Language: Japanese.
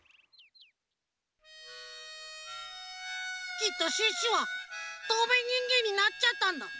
きっとシュッシュはとうめいにんげんになっちゃったんだ。